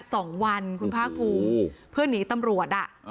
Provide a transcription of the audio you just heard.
สองวันคุณภาคภูมิเพื่อหนีตำรวจอ่ะ